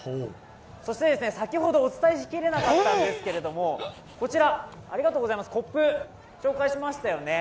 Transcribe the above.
そして先ほどお伝えしきれなかったんですけれどもこちら、コップを紹介しましたよね